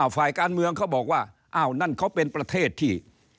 ฝ่ายการเมืองเขาบอกว่าอ้าวนั่นเขาเป็นประเทศที่